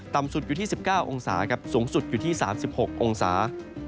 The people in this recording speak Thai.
สุดอยู่ที่๑๙องศาครับสูงสุดอยู่ที่๓๖องศา